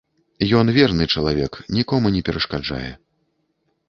Ён верны чалавек, нікому не перашкаджае.